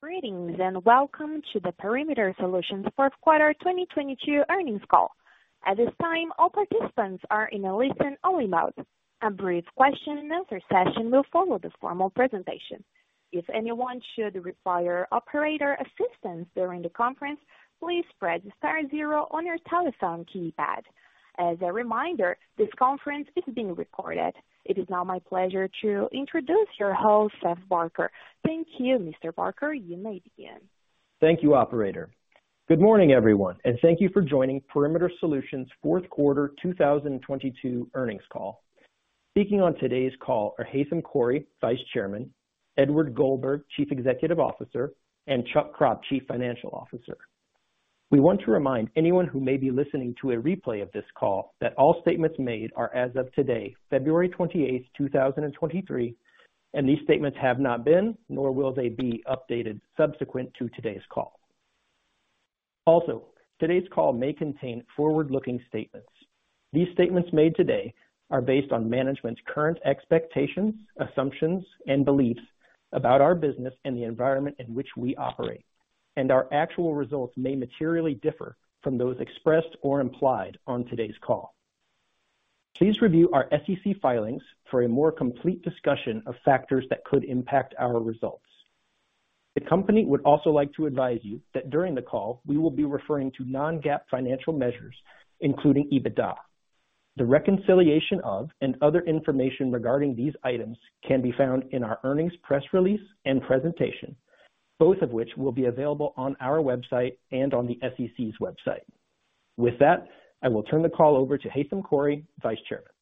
Greetings, and welcome to the Perimeter Solutions Q4 2022 earnings call. At this time, all participants are in a listen-only mode. A brief question and answer session will follow this formal presentation. If anyone should require operator assistance during the conference, please press star zero on your telephone keypad. As a reminder, this conference is being recorded. It is now my pleasure to introduce your host, Seth Barker. Thank you, Mr. Barker. You may begin. Thank you, operator. Good morning, everyone, and thank you for joining Perimeter Solutions Q4 2022 earnings call. Speaking on today's call are Haitham Khouri, Vice Chairman, Edward Goldberg, Chief Executive Officer, and Chuck Kropp, Chief Financial Officer. We want to remind anyone who may be listening to a replay of this call that all statements made are as of today, February 28, 2023, and these statements have not been nor will they be updated subsequent to today's call. Also, today's call may contain forward-looking statements. These statements made today are based on management's current expectations, assumptions, and beliefs about our business and the environment in which we operate. And our actual results may materially differ from those expressed or implied on today's call. Please review our SEC filings for a more complete discussion of factors that could impact our results. The company would also like to advise you that during the call, we will be referring to non-GAAP financial measures, including EBITDA. The reconciliation of and other information regarding these items can be found in our earnings press release and presentation, both of which will be available on our website and on the SEC's website. I will turn the call over to Haitham Khouri, Vice Chairman.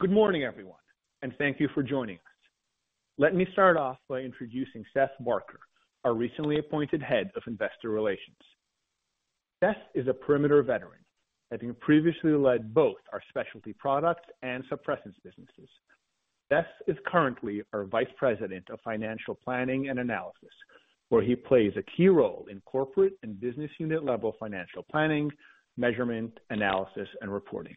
Good morning, everyone, and thank you for joining us. Let me start off by introducing Seth Barker, our recently appointed Head of Investor Relations. Seth is a Perimeter veteran, having previously led both our specialty products and suppressants businesses. Seth is currently our Vice President of Financial Planning and Analysis, where he plays a key role in corporate and business unit level financial planning, measurement, analysis, and reporting.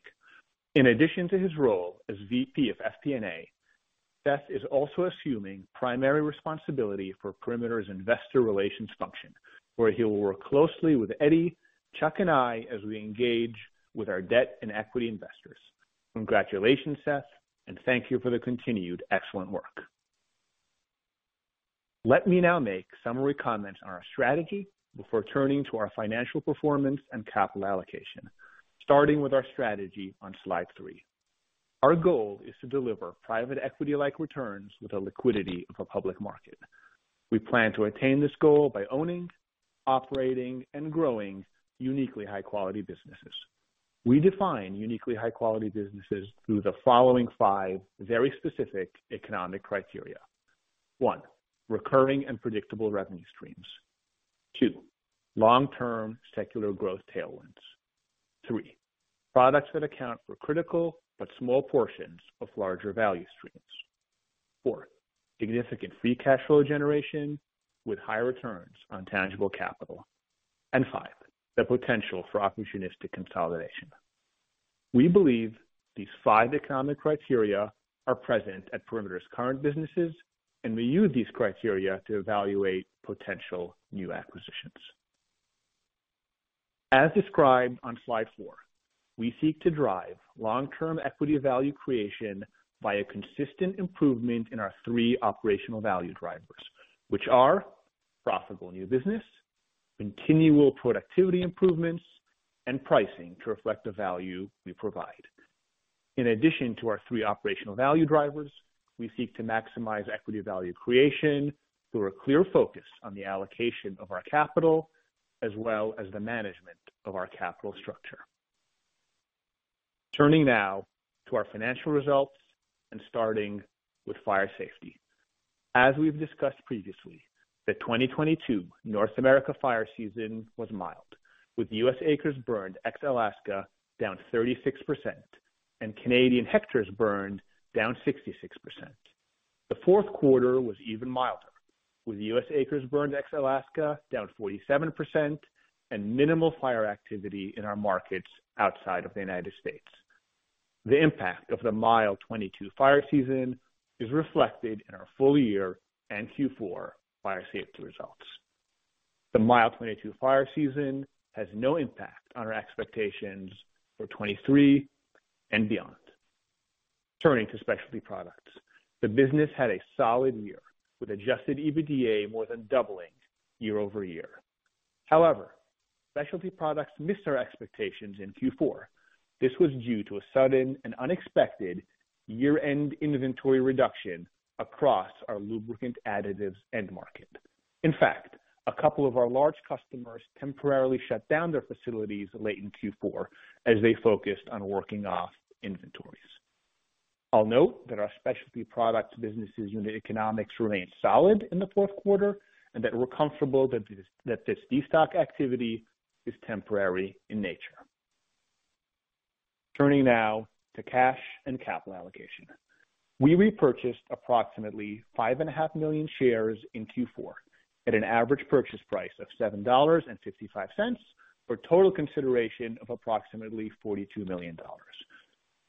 In addition to his role as VP of FP&A, Seth is also assuming primary responsibility for Perimeter's investor relations function, where he will work closely with Eddie, Chuck, and I as we engage with our debt and equity investors. Congratulations, Seth, and thank you for the continued excellent work. Let me now make summary comments on our strategy before turning to our financial performance and capital allocation, starting with our strategy on slide three. Our goal is to deliver private equity-like returns with the liquidity of a public market. We plan to attain this goal by owning, operating, and growing uniquely high-quality businesses. We define uniquely high-quality businesses through the following five very specific economic criteria. One, recurring and predictable revenue streams. Two, long-term secular growth tailwinds. Three, products that account for critical but small portions of larger value streams. Four, significant free cash flow generation with high returns on tangible capital. Five, the potential for opportunistic consolidation. We believe these five economic criteria are present at Perimeter's current businesses, and we use these criteria to evaluate potential new acquisitions. As described on slide four, we seek to drive long-term equity value creation by a consistent improvement in our three operational value drivers, which are profitable new business, continual productivity improvements, and pricing to reflect the value we provide. In addition to our three operational value drivers, we seek to maximize equity value creation through a clear focus on the allocation of our capital, as well as the management of our capital structure. Turning now to our financial results and starting with fire safety. As we've discussed previously, the 2022 North America fire season was mild, with US acres burned ex-Alaska down 36% and Canadian hectares burned down 66%. The Q4 was even milder, with US acres burned ex-Alaska down 47% and minimal fire activity in our markets outside of the United States. The impact of the mild 2022 fire season is reflected in our full year and Q4 fire safety results. The mild 2022 fire season has no impact on our expectations for 2023 and beyond. Turning to specialty products. The business had a solid year, with adjusted EBITDA more than doubling year-over-year. However, specialty products missed our expectations in Q4. This was due to a sudden and unexpected year-end inventory reduction across our lubricant additives end market. In fact, a couple of our large customers temporarily shut down their facilities late in Q4 as they focused on working off inventories. I'll note that our specialty product businesses unit economics remained solid in the Q4 and that we're comfortable that this de-stock activity is temporary in nature. Turning now to cash and capital allocation. We repurchased approximately 5.5 Million shares in Q4 at an average purchase price of $7.55 for total consideration of approximately $42 million.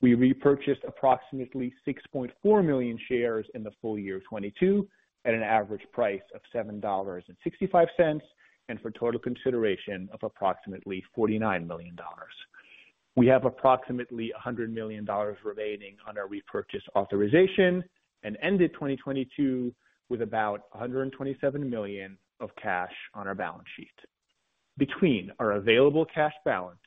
We repurchased approximately 6.4 million shares in the full year 2022 at an average price of $7.65, and for total consideration of approximately $49 million. We have approximately $100 million remaining on our repurchase authorization and ended 2022 with about $127 million of cash on our balance sheet. Between our available cash balance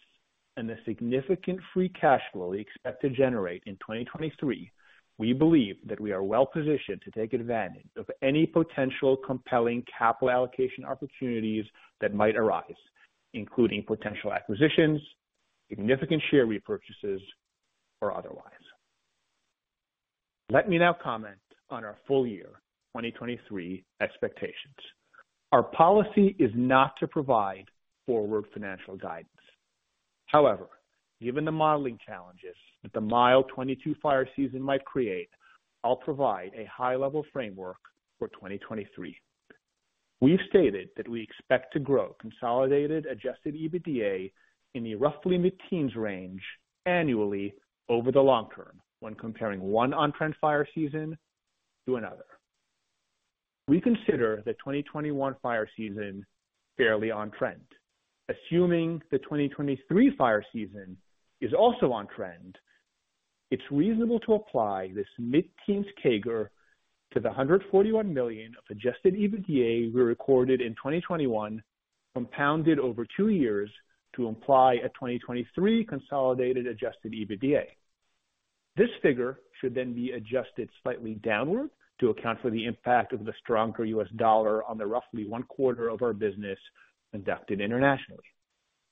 and the significant free cash flow we expect to generate in 2023, we believe that we are well positioned to take advantage of any potential compelling capital allocation opportunities that might arise, including potential acquisitions, significant share repurchases or otherwise. Let me now comment on our full year 2023 expectations. Our policy is not to provide forward financial guidance. However, given the modeling challenges that the mild 2022 fire season might create, I'll provide a high level framework for 2023. We've stated that we expect to grow consolidated adjusted EBITDA in the roughly mid-teens range annually over the long term when comparing one on-trend fire season to another. We consider the 2021 fire season fairly on trend. Assuming the 2023 fire season is also on trend, it's reasonable to apply this mid-teens CAGR to the $141 million of adjusted EBITDA we recorded in 2021, compounded over two years to imply a 2023 consolidated adjusted EBITDA. This figure should then be adjusted slightly downward to account for the impact of the stronger US dollar on the roughly one quarter of our business conducted internationally.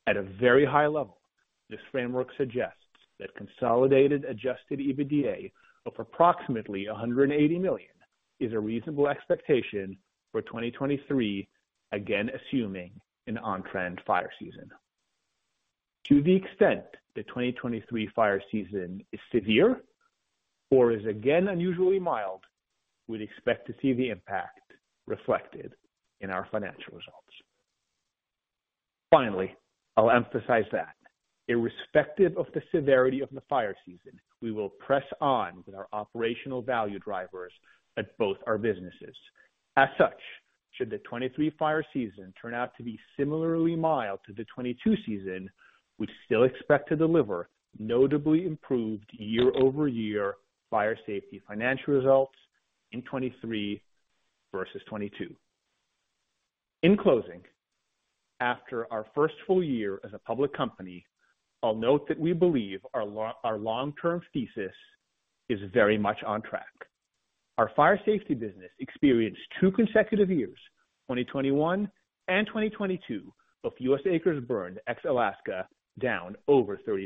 At a very high level, this framework suggests that consolidated adjusted EBITDA of approximately $180 million is a reasonable expectation for 2023, again, assuming an on-trend fire season. To the extent the 2023 fire season is severe or is again unusually mild, we'd expect to see the impact reflected in our financial results. I'll emphasize that irrespective of the severity of the fire season, we will press on with our operational value drivers at both our businesses. Should the 2023 fire season turn out to be similarly mild to the 2022 season, we'd still expect to deliver notably improved year-over-year fire safety financial results in 2023 versus 2022. After our first full year as a public company, I'll note that we believe our long term thesis is very much on track. Our fire safety business experienced two consecutive years, 2021 and 2022, of U.S. acres burned ex-Alaska down over 30%.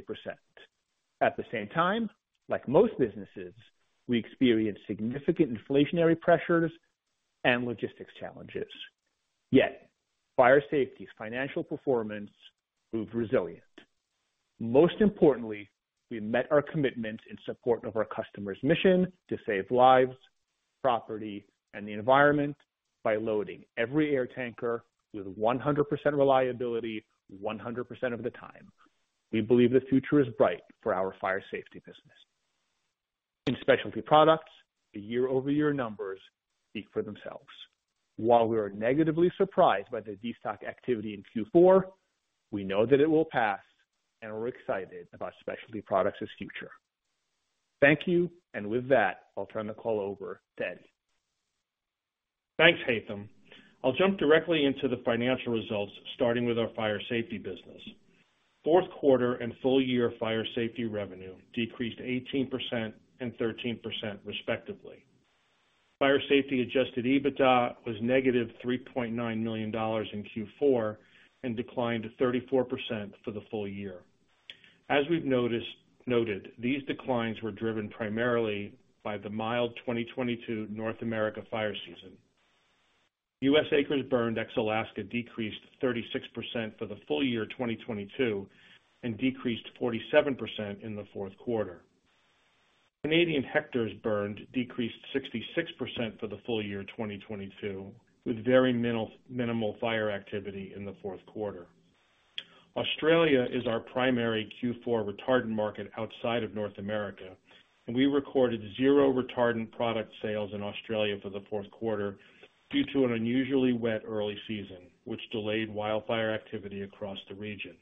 At the same time, like most businesses, we experienced significant inflationary pressures and logistics challenges, yet fire safety's financial performance proved resilient. Most importantly, we met our commitment in support of our customer's mission to save lives, property, and the environment by loading every air tanker with 100% reliability 100% of the time. We believe the future is bright for our fire safety business. In specialty products, the year-over-year numbers speak for themselves. While we were negatively surprised by the destock activity in Q4, we know that it will pass and we're excited about specialty products' future. Thank you. With that, I'll turn the call over to Eddie. Thanks, Haitham. I'll jump directly into the financial results, starting with our fire safety business. Q4 and full year fire safety revenue decreased 18% and 13% respectively. Fire safety adjusted EBITDA was -$3.9 million in Q4 and declined 34% for the full year. As we've noted, these declines were driven primarily by the mild 2022 North America fire season. U.S. acres burned ex-Alaska decreased 36% for the full year 2022 and decreased 47% in the Q4. Canadian hectares burned decreased 66% for the full year 2022, with very minimal fire activity in the Q4. Australia is our primary Q4 retardant market outside of North America, and we recorded 0 retardant product sales in Australia for the Q4 due to an unusually wet early season, which delayed wildfire activity across the region.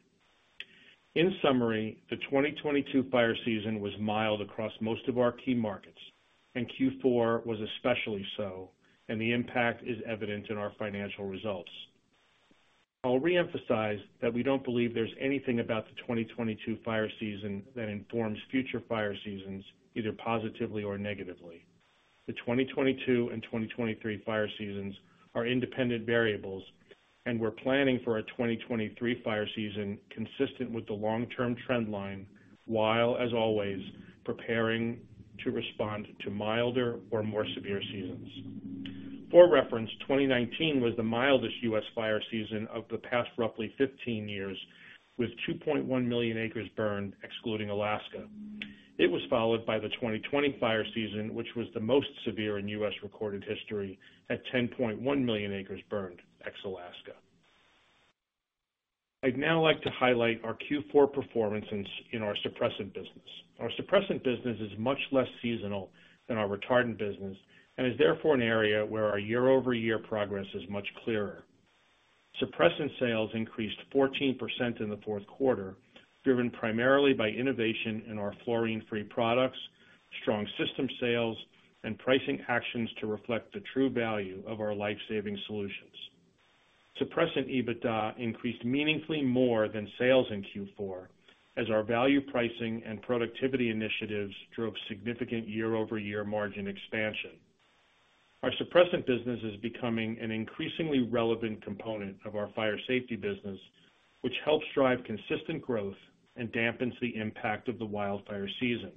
In summary, the 2022 fire season was mild across most of our key markets, Q4 was especially so, and the impact is evident in our financial results. I'll reemphasize that we don't believe there's anything about the 2022 fire season that informs future fire seasons either positively or negatively. The 2022 and 2023 fire seasons are independent variables. We're planning for a 2023 fire season consistent with the long-term trend line, while, as always, preparing to respond to milder or more severe seasons. For reference, 2019 was the mildest U.S. fire season of the past roughly 15 years, with 2.1 million acres burned excluding Alaska. It was followed by the 2020 fire season, which was the most severe in U.S. recorded history at 10.1 million acres burned ex-Alaska. I'd now like to highlight our Q4 performance in our suppressant business. Our suppressant business is much less seasonal than our retardant business and is therefore an area where our year-over-year progress is much clearer. Suppressant sales increased 14% in the Q4, driven primarily by innovation in our fluorine-free products, strong system sales, and pricing actions to reflect the true value of our life-saving solutions. Suppressant EBITDA increased meaningfully more than sales in Q4 as our value pricing and productivity initiatives drove significant year-over-year margin expansion. Our suppressant business is becoming an increasingly relevant component of our fire safety business, which helps drive consistent growth and dampens the impact of the wildfire season.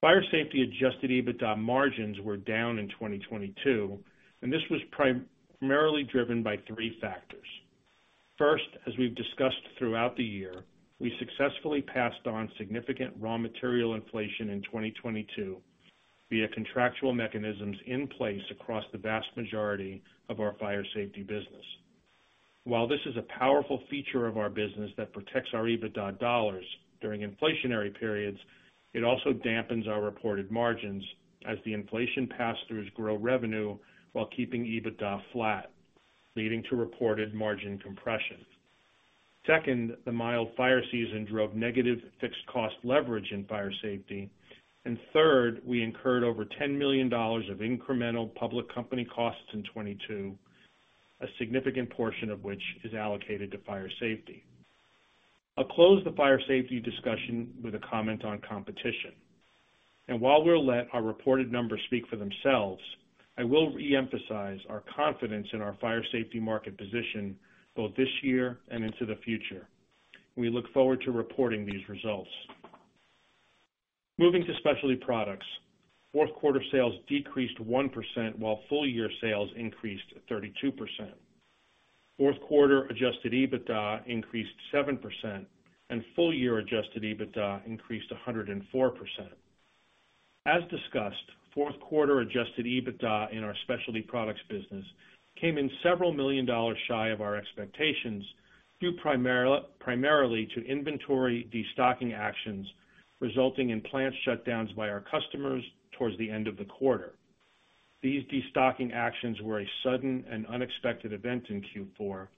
Fire safety adjusted EBITDA margins were down in 2022, this was primarily driven by three factors. First, as we've discussed throughout the year, we successfully passed on significant raw material inflation in 2022 via contractual mechanisms in place across the vast majority of our fire safety business. While this is a powerful feature of our business that protects our EBITDA dollars during inflationary periods, it also dampens our reported margins as the inflation pass-throughs grow revenue while keeping EBITDA flat, leading to reported margin compression. Second, the mild fire season drove negative fixed cost leverage in fire safety. Third, we incurred over $10 million of incremental public company costs in 2022, a significant portion of which is allocated to fire safety. I'll close the fire safety discussion with a comment on competition. While we'll let our reported numbers speak for themselves, I will re-emphasize our confidence in our fire safety market position, both this year and into the future. We look forward to reporting these results. Moving to specialty products. Q4 sales decreased 1%, while full-year sales increased 32%. Q4 adjusted EBITDA increased 7%, and full-year adjusted EBITDA increased 104%. As discussed, Q4 adjusted EBITDA in our specialty products business came in several million dollars shy of our expectations, due primarily to inventory destocking actions resulting in plant shutdowns by our customers towards the end of the quarter. These destocking actions were a sudden and unexpected event in Q4.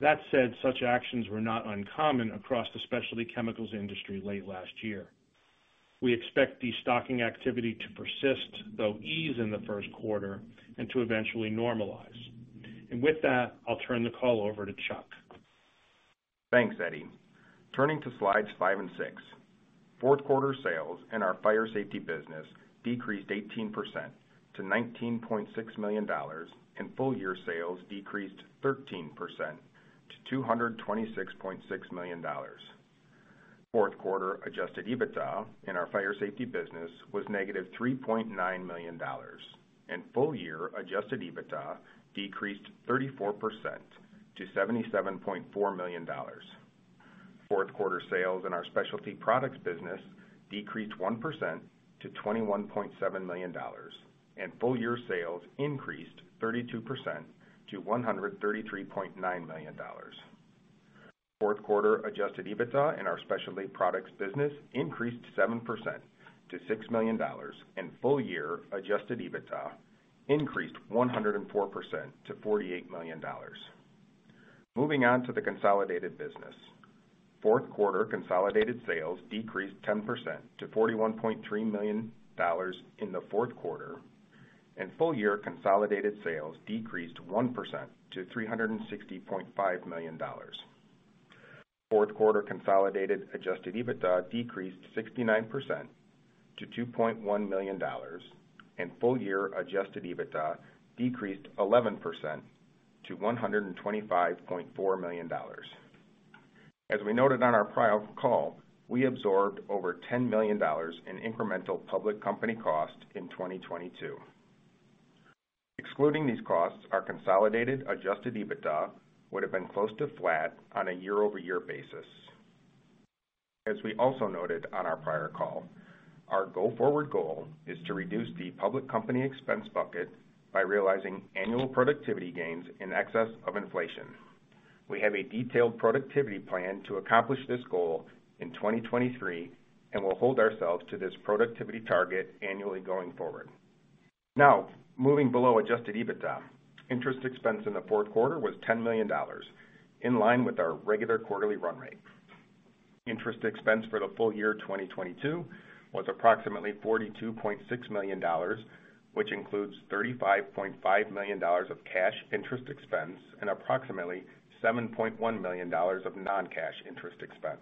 That said, such actions were not uncommon across the specialty chemicals industry late last year. We expect destocking activity to persist, though ease in the Q1, and to eventually normalize. With that, I'll turn the call over to Chuck. Thanks, Eddie. Turning to slides five and six. Q4 sales in our fire safety business decreased 18% to $19.6 million, and full year sales decreased 13% to $226.6 million. Q4 adjusted EBITDA in our fire safety business was -$3.9 million, and full year adjusted EBITDA decreased 34% to $77.4 million. Q4 sales in our specialty products business decreased 1% to $21.7 million, and full year sales increased 32% to $133.9 million. Q4 adjusted EBITDA in our specialty products business increased 7% to $6 million, and full year adjusted EBITDA increased 104% to $48 million. Moving on to the consolidated business. Q4 consolidated sales decreased 10% to $41.3 million in the Q4, and full year consolidated sales decreased 1% to $360.5 million. Q4 consolidated adjusted EBITDA decreased 69% to $2.1 million, and full year adjusted EBITDA decreased 11% to $125.4 million. As we noted on our prior call, we absorbed over $10 million in incremental public company cost in 2022. Excluding these costs, our consolidated adjusted EBITDA would have been close to flat on a year-over-year basis. As we also noted on our prior call, our go forward goal is to reduce the public company expense bucket by realizing annual productivity gains in excess of inflation. We have a detailed productivity plan to accomplish this goal in 2023, and we'll hold ourselves to this productivity target annually going forward. Now, moving below adjusted EBITDA. Interest expense in the Q4 was $10 million, in line with our regular quarterly run rate. Interest expense for the full year 2022 was approximately $42.6 million, which includes $35.5 million of cash interest expense and approximately $7.1 million of non-cash interest expense.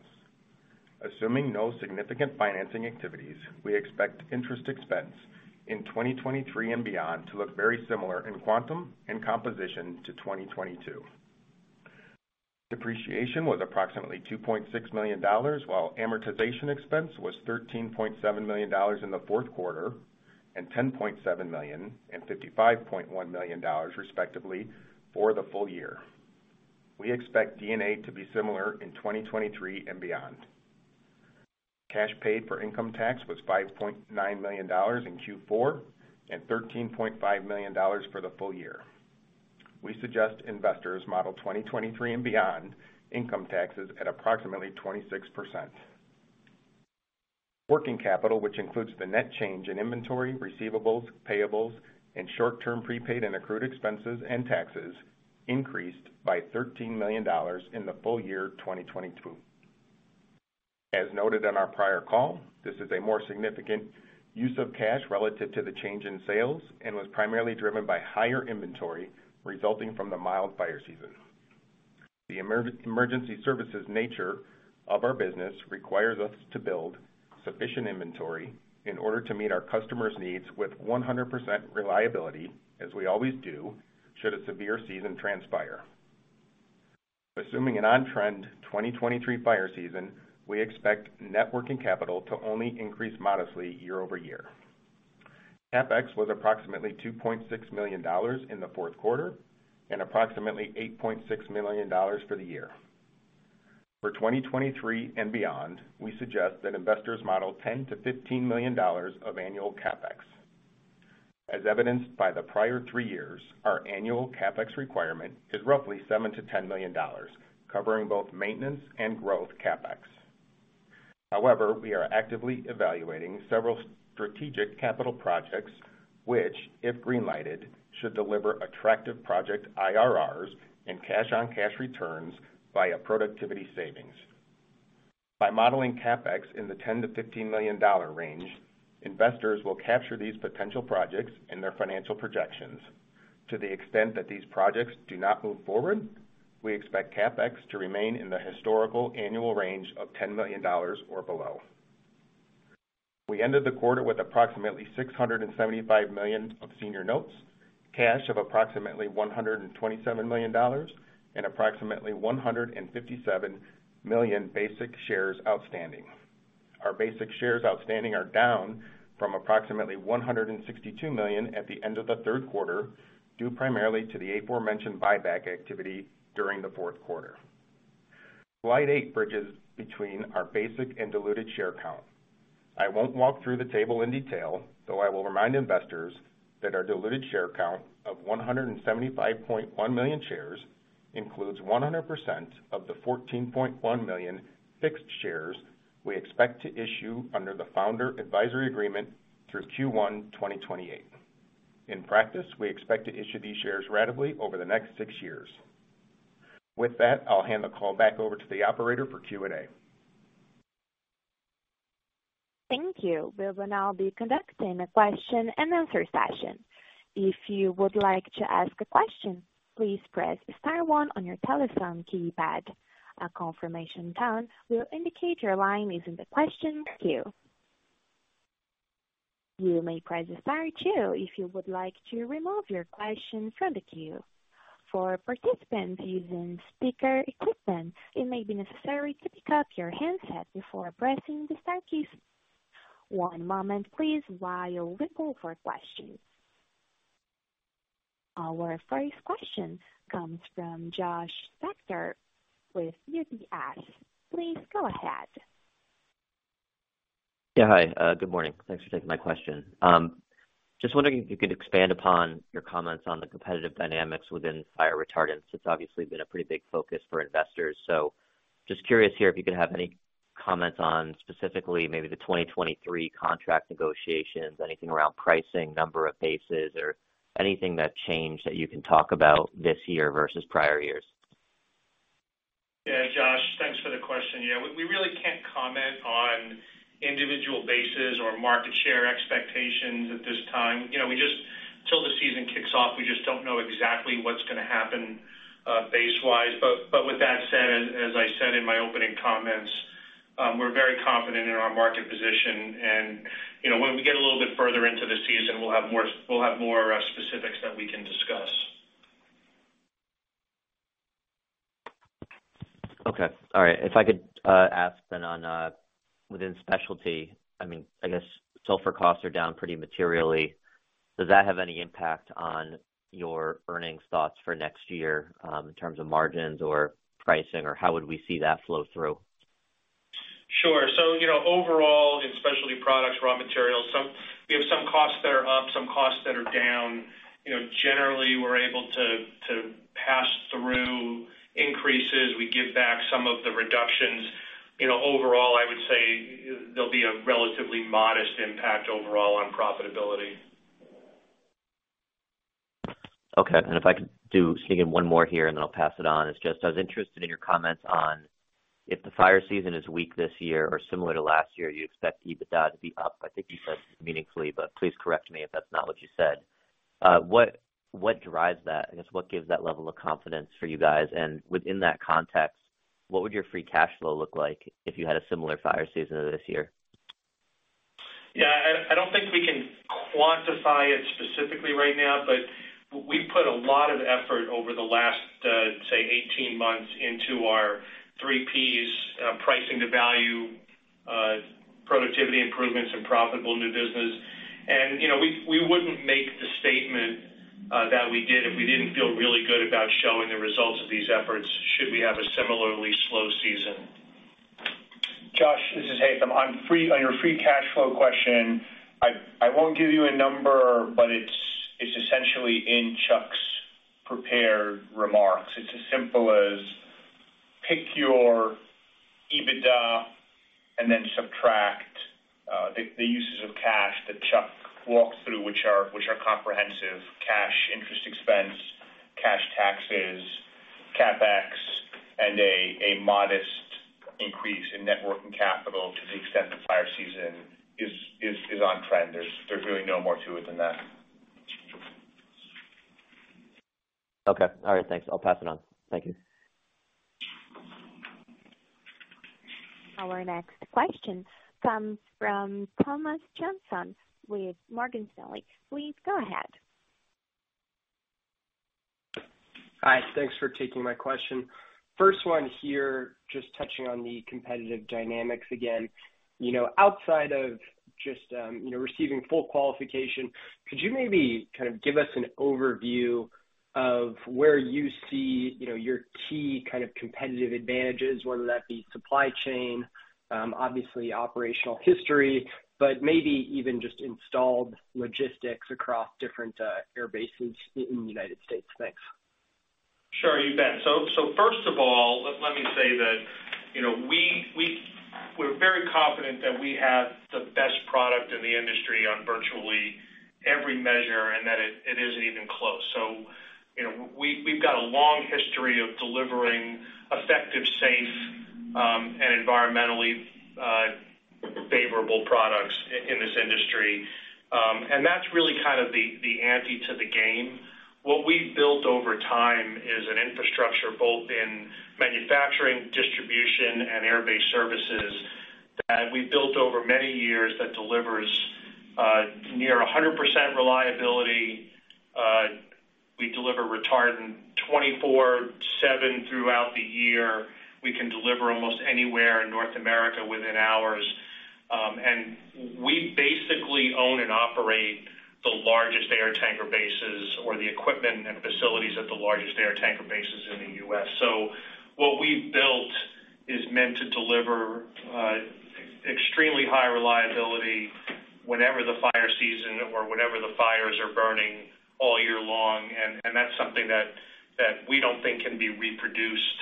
Assuming no significant financing activities, we expect interest expense in 2023 and beyond to look very similar in quantum and composition to 2022. Depreciation was approximately $2.6 million, while amortization expense was $13.7 million in the Q4, and $10.7 million and $55.1 million, respectively, for the full year. We expect D&A to be similar in 2023 and beyond. Cash paid for income tax was $5.9 million in Q4 and $13.5 million for the full year. We suggest investors model 2023 and beyond income taxes at approximately 26%. Working capital, which includes the net change in inventory, receivables, payables, and short-term prepaid and accrued expenses and taxes, increased by $13 million in the full year 2022. As noted on our prior call, this is a more significant use of cash relative to the change in sales and was primarily driven by higher inventory resulting from the mild fire season. The emergency services nature of our business requires us to build sufficient inventory in order to meet our customers' needs with 100% reliability, as we always do, should a severe season transpire. Assuming an on-trend 2023 fire season, we expect net working capital to only increase modestly year-over-year. CapEx was approximately $2.6 million in the Q4 and approximately $8.6 million for the year. For 2023 and beyond, we suggest that investors model $10 million-$15 million of annual CapEx. As evidenced by the prior three years, our annual CapEx requirement is roughly $7 million-$10 million, covering both maintenance and growth CapEx. We are actively evaluating several strategic capital projects, which, if green lighted, should deliver attractive project IRRs and cash-on-cash returns via productivity savings. By modeling CapEx in the $10 million-$15 million range, investors will capture these potential projects in their financial projections. To the extent that these projects do not move forward, we expect CapEx to remain in the historical annual range of $10 million or below. We ended the quarter with approximately $675 million of senior notes, cash of approximately $127 million, and approximately 157 million basic shares outstanding. Our basic shares outstanding are down from approximately 162 million at the end of the Q3, due primarily to the aforementioned buyback activity during the Q4. Slide eight bridges between our basic and diluted share count. I won't walk through the table in detail, though I will remind investors that our diluted share count of 175.1 million shares includes 100% of the 14.1 million fixed shares we expect to issue under the Founder Advisory Agreement through Q1 2028. In practice, we expect to issue these shares ratably over the next six years. With that, I'll hand the call back over to the operator for Q&A. Thank you. We will now be conducting a question-and-answer session. If you would like to ask a question, please press star one on your telephone keypad. A confirmation tone will indicate your line is in the question queue. You may press star two if you would like to remove your question from the queue. For participants using speaker equipment, it may be necessary to pick up your handset before pressing the star key. One moment, please, while we pull for questions. Our first question comes from Josh Spector with UBS. Please go ahead. Yeah. Hi, good morning. Thanks for taking my question. Just wondering if you could expand upon your comments on the competitive dynamics within fire retardants. It's obviously been a pretty big focus for investors, just curious here if you could have any comments on specifically maybe the 2023 contract negotiations, anything around pricing, number of bases or anything that's changed that you can talk about this year versus prior years. Josh, thanks for the question. We really can't comment on individual bases or market share expectations at this time. You know, till the season kicks off, we just don't know exactly what's gonna happen, base wise. With that said, as I said in my opening comments, we're very confident in our market position. You know, when we get a little bit further into the season, we'll have more we'll have more specifics that we can discuss. Okay. All right. If I could ask then on within specialty, I mean, I guess sulfur costs are down pretty materially. Does that have any impact on your earnings thoughts for next year, in terms of margins or pricing, or how would we see that flow through? Sure. You know, overall in specialty products, raw materials, we have some costs that are up, some costs that are down. You know, generally, we're able to pass through increases. We give back some of the reductions. You know, overall, I would say there'll be a relatively modest impact overall on profitability. Okay. If I could do, just gonna get one more here, and then I'll pass it on. It's just, I was interested in your comments on if the fire season is weak this year or similar to last year, you expect EBITDA to be up. I think you said meaningfully, but please correct me if that's not what you said. What drives that? I guess what gives that level of confidence for you guys? Within that context, what would your free cash flow look like if you had a similar fire season this year? I don't think we can quantify it specifically right now, but we've put a lot of effort over the last, say 18 months into our three Ps, pricing to value, productivity improvements and profitable new business. You know, we wouldn't make the statement that we did if we didn't feel really good about showing the results of these efforts should we have a similarly slow season. Josh, this is Haitham. On your free cash flow question, I won't give you a number, but it's essentially in Chuck's prepared remarks. It's as simple as pick your EBITDA and then subtract the uses of cash that Chuck walked through, which are comprehensive cash interest expense, cash taxes, CapEx, and a modest increase in net working capital to the extent the fire season is on trend. There's really no more to it than that. Okay. All right. Thanks. I'll pass it on. Thank you. Our next question comes from Thomas Jonsson with Morgan Stanley. Please go ahead. Hi. Thanks for taking my question. First one here, just touching on the competitive dynamics again. You know, outside of just, you know, receiving full qualification, could you maybe kind of give us an overview of where you see, you know, your key kind of competitive advantages, whether that be supply chain, obviously operational history, but maybe even just installed logistics across different airbases in the United States? Thanks. Sure, you bet. First of all, let me say that, you know, we're very confident that we have the best product in the industry on virtually every measure, and that it isn't even close. You know, we've got a long history of delivering effective, safe, and environmentally favorable products in this industry. That's really kind of the ante to the game. What we've built over time is an infrastructure, both in manufacturing, distribution, and airbase services that we've built over many years that delivers near 100% reliability. We deliver retardant 24/7 throughout the year. We can deliver almost anywhere in North America within hours. We basically own and operate the largest air tanker bases or the equipment and facilities at the largest air tanker bases in the US. What we've built is meant to deliver, extremely high reliability whenever the fire season or whenever the fires are burning all year long. That's something that we don't think can be reproduced,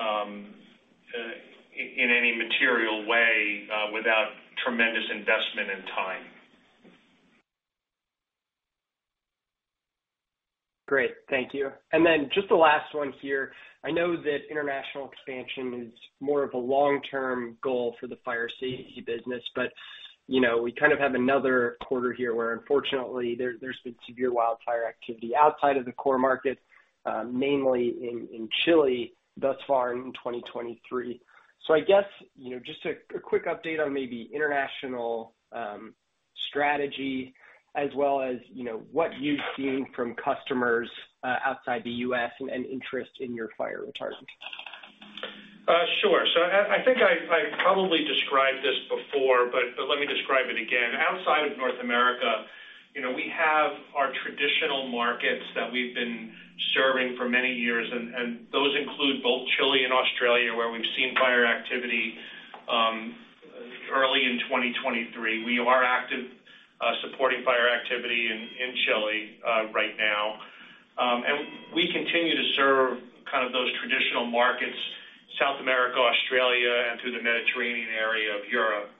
in any material way, without tremendous investment and time. Great. Thank you. Just the last one here. I know that international expansion is more of a long-term goal for the fire safety business, you know, we kind of have another quarter here where unfortunately there's been severe wildfire activity outside of the core market, mainly in Chile thus far in 2023. I guess, you know, just a quick update on maybe international strategy as well as, you know, what you've seen from customers outside the U.S. and interest in your fire retardant. Sure. I think I probably described this before, but let me describe it again. Outside of North America, you know, we have our traditional markets that we've been serving for many years, and those include both Chile and Australia, where we've seen fire activity early in 2023. We are active supporting fire activity in Chile right now. And we continue to serve kind of those traditional markets, South America, Australia and through the Mediterranean area of Europe.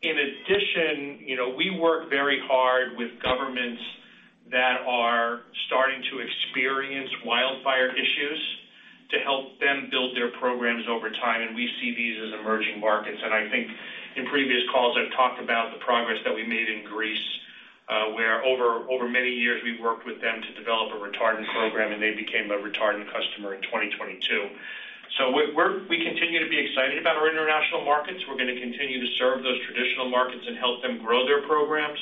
In addition, you know, we work very hard with governments that are starting to experience wildfire issues to help them build their programs over time, and we see these as emerging markets. I think in previous calls, I've talked about the progress that we made in Greece, where over many years we worked with them to develop a retardant program, and they became a retardant customer in 2022. We continue to be excited about our international markets. We're gonna continue to serve those traditional markets and help them grow their programs,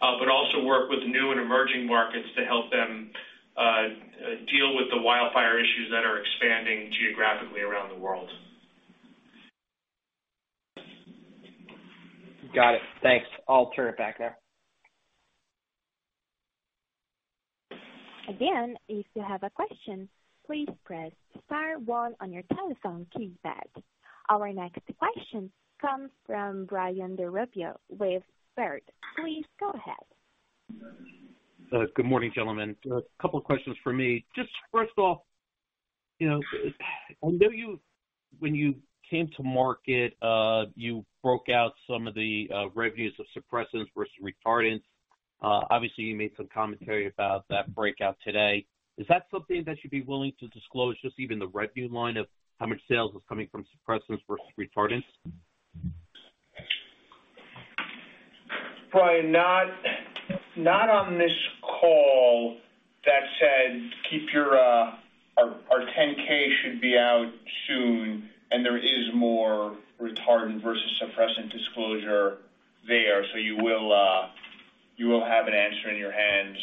but also work with new and emerging markets to help them deal with the wildfire issues that are expanding geographically around the world. Got it. Thanks. I'll turn it back there. Again, if you have a question, please press star one on your telephone keypad. Our next question comes from Brian DiRubbio with Baird. Please go ahead. Good morning, gentlemen. A couple questions for me. Just first off, you know, I know when you came to market, you broke out some of the revenues of suppressants versus retardants. Obviously you made some commentary about that breakout today. Is that something that you'd be willing to disclose, just even the revenue line of how much sales was coming from suppressants versus retardants? Brian, not on this call. That said, keep your. Our 10-K should be out soon. There is more retardant versus suppressant disclosure there. You will have an answer in your hands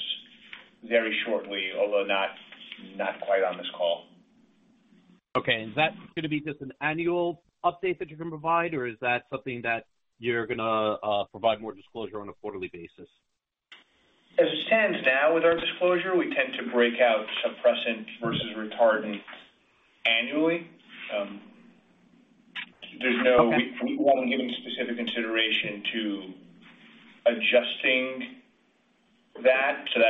very shortly, although not quite on this call. Okay. Is that gonna be just an annual update that you can provide, or is that something that you're gonna provide more disclosure on a quarterly basis? As it stands now with our disclosure, we tend to break out suppressant versus retardant annually. Okay. We haven't given specific consideration to adjusting that, so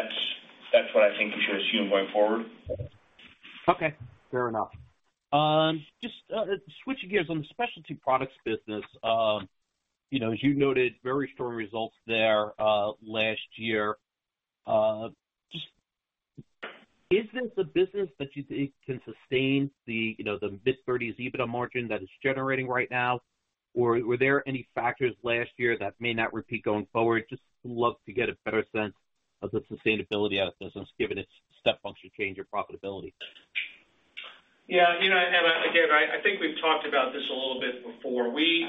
that's what I think you should assume going forward. Okay. Fair enough. Just switching gears on the specialty products business. You know, as you noted, very strong results there last year. Just is this a business that you think can sustain the, you know, the mid-thirties EBITDA margin that it's generating right now, or were there any factors last year that may not repeat going forward? Just love to get a better sense of the sustainability of the business given its step function change of profitability. Yeah, you know, again, I think we've talked about this a little bit before. We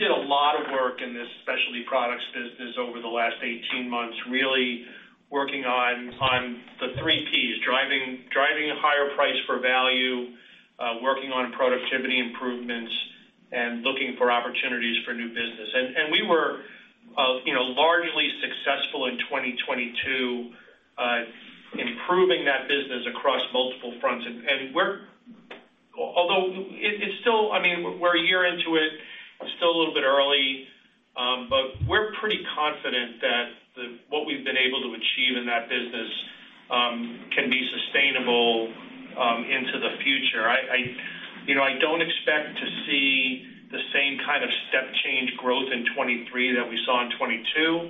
did a lot of work in this specialty products business over the last 18 months, really working on the three Ps, driving a higher price for value, working on productivity improvements, and looking for opportunities for new business. We were, you know, largely successful in 2022, improving that business across multiple fronts. We're... Although it's still... I mean, we're a year into it. Still a little bit early, but we're pretty confident that what we've been able to achieve in that business can be sustainable into the future. I, you know, I don't expect to see the same kind of step change growth in 2023 that we saw in 2022.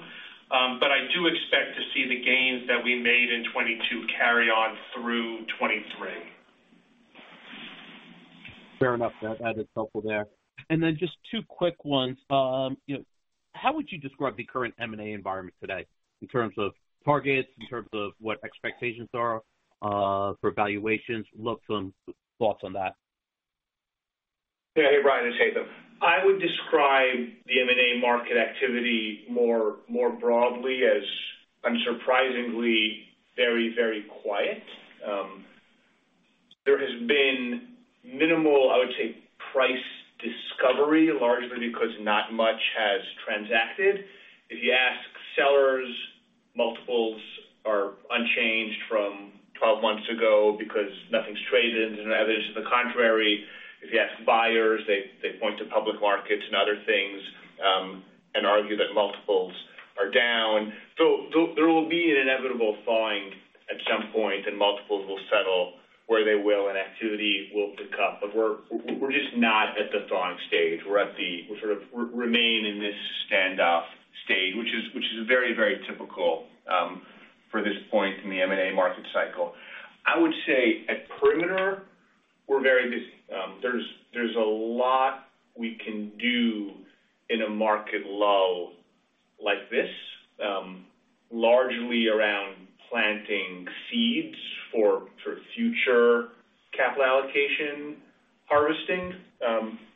I do expect to see the gains that we made in 2022 carry on through 2023. Fair enough. That is helpful there. Then just two quick ones. you know, how would you describe the current M&A environment today in terms of targets, in terms of what expectations are for valuations? Would love some thoughts on that. Yeah. Hey, Brian, it's Haitham. I would describe the M&A market activity more broadly as unsurprisingly very quiet. There has been minimal, I would say, price discovery, largely because not much has transacted. If you ask sellers, multiples are unchanged from 12 months ago because nothing's traded and evidence to the contrary. If you ask buyers, they point to public markets and other things, and argue that multiples are down. There will be an inevitable thawing at some point, and multiples will settle where they will, and activity will pick up. We're just not at the thawing stage. We sort of remain in this standoff stage, which is very typical, for this point in the M&A market cycle. I would say at Perimeter, we're very busy. There's a lot we can do in a market lull like this, largely around planting seeds for future capital allocation harvesting.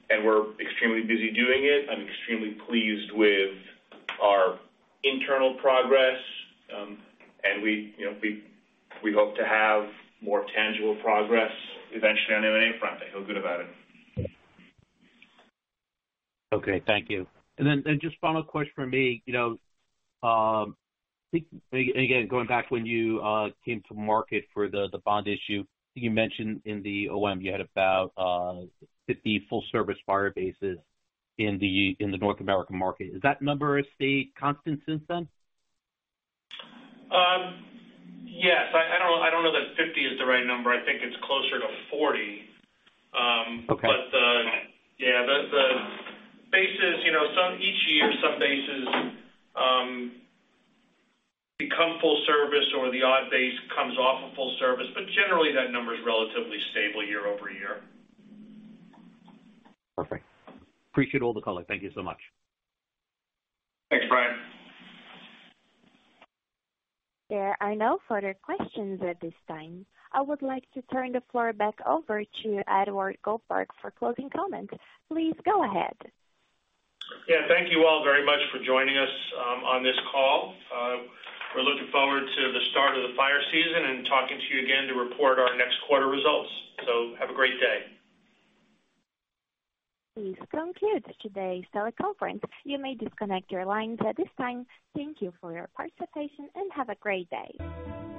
We're extremely busy doing it. I'm extremely pleased with our internal progress. We, you know, we hope to have more tangible progress eventually on M&A front. I feel good about it. Okay. Thank you. Then just final question from me. You know, I think, again, going back when you came to market for the bond issue, you mentioned in the OM you had about 50 full service fire bases in the North American market. Is that number stayed constant since then? Yes. I don't know that 50 is the right number. I think it's closer to 40. Okay. Yeah, the bases, you know, each year some bases become full service or the odd base comes off of full service, but generally that number is relatively stable year-over-year. Perfect. Appreciate all the color. Thank you so much. Thanks, Brian. There are no further questions at this time. I would like to turn the floor back over to Haitham Khouri for closing comments. Please go ahead. Yeah. Thank you all very much for joining us, on this call. We're looking forward to the start of the fire season and talking to you again to report our next quarter results. Have a great day. This concludes today's teleconference. You may disconnect your lines at this time. Thank you for your participation, and have a great day.